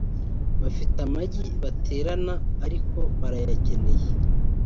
bafite amagi baterana aliko barayakeneye